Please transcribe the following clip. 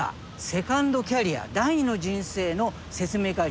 セカンドキャリア第二の人生の説明会場